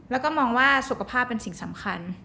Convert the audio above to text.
แล้วก็มองว่าสุขภาพเป็นสิ่งสำคัญ